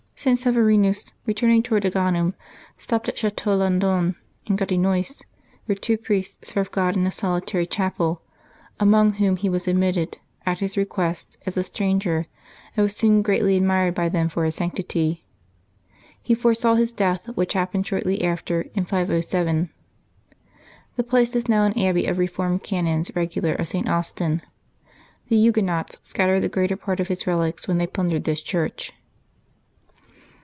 St. Severinus, returning to ward Agaunum, stopped at Chateau Landon in Gatinois, where two priests served God in a solitary chapel, among whom he was admitted, at his request, as a stranger, and was soon greatly admired by them for his sanctity. He foresaw his death, which happened shortly after, in 507. The place is now an abbey of reformed canons regular of St. Austin. The Huguenots scattered the greater part of his relics when they plundered this church.